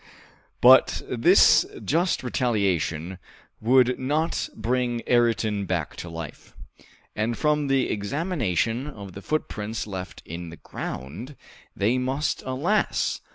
But this just retaliation would not bring Ayrton back to life, and from the examination of the footprints left in the ground, they must, alas!